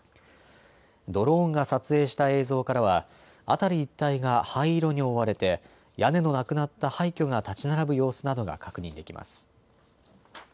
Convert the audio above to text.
ドローンが撮影した映像からは辺り一帯が灰色に覆われて屋根のなくなった廃虚が建ち並ぶ様子などが確認できます。